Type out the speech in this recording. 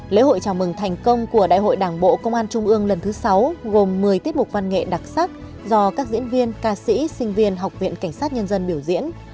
lễ hội chào mừng thành công của đại hội đảng bộ công an trung ương lần thứ sáu gồm một mươi tiết mục văn nghệ đặc sắc do các diễn viên ca sĩ sinh viên học viện cảnh sát nhân dân biểu diễn